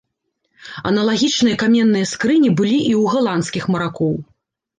Аналагічныя каменныя скрыні былі і ў галандскіх маракоў.